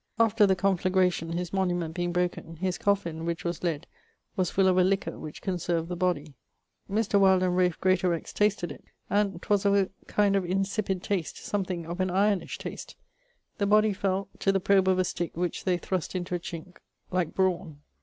After the conflagration his monument being broken, his coffin, which was lead, was full of a liquour which conserved the body. Mr. Wyld and Ralph Greatorex tasted it and 'twas of a kind of insipid tast, something of an ironish tast. The body felt, to the probe of a stick which they thrust into a chinke, like brawne.